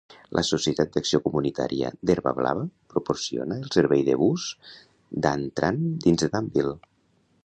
La Societat d'Acció Comunitària d'Herba Blava proporciona el servei de bus DanTran dins de Danville.